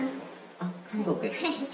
あっ韓国。